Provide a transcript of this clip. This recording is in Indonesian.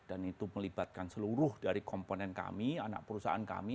dan itu melibatkan seluruh dari komponen kami anak perusahaan kami